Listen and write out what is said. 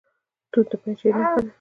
توت د پنجشیر نښه ده.